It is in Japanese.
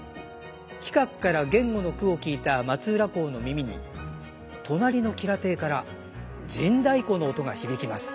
其角から源吾の句を聞いた松浦侯の耳に隣の吉良邸から陣太鼓の音が響きます。